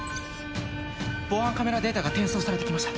防犯カメラデータが転送されて来ました。